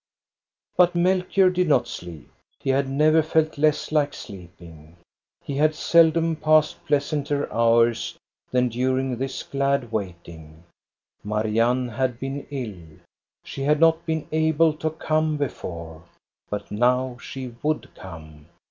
But Melchior did not sleep. He had never felt less like sleeping. He had seldom passed pleasanter hours than during this glad waiting. Marianne had been ill. She had not been able to come before, but now she would come.